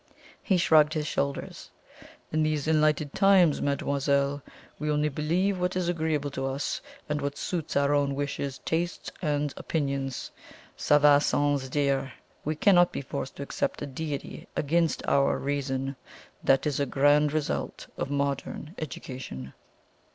He shrugged his shoulders. "In these enlightened times, mademoiselle, we only believe what is agreeable to us, and what suits our own wishes, tastes, and opinions. Ca va sans dire. We cannot be forced to accept a Deity against our reason. That is a grand result of modern education."